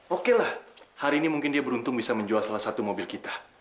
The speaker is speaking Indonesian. oke lah hari ini mungkin dia beruntung bisa menjual salah satu mobil kita